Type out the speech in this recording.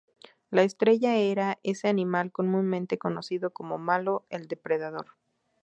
La estrella era ese animal comúnmente conocido como "malo", el depredador.